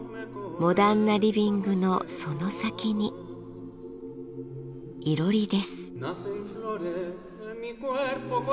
モダンなリビングのその先にいろりです。